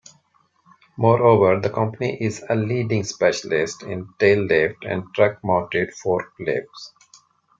Moreover, the Company is a leading specialist in tail lifts and truck mounted forklifts.